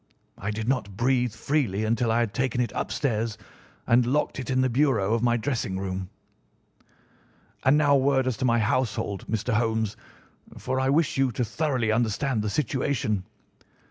I did not breathe freely until I had taken it upstairs and locked it in the bureau of my dressing room. "And now a word as to my household, Mr. Holmes, for I wish you to thoroughly understand the situation.